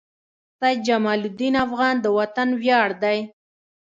سيد جمال الدین افغان د وطن وياړ دي.